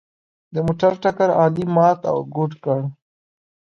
د موټر ټکر علي مات او ګوډ کړ.